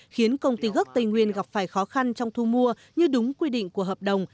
khiến công ty gốc tây nguyên gặp phải khó khăn trong thu mua như đúng quy định của hợp đồng